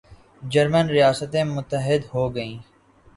German ریاستیں متحد ہوگئیں